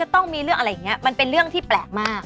ต้องมีเรื่องอะไรอย่างนี้มันเป็นเรื่องที่แปลกมาก